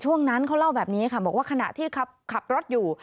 ช่วงนั้นเขาเล่าแบบนี้ค่ะบอกว่าขณะที่ขับรถอยู่